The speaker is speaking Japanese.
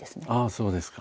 そうですか。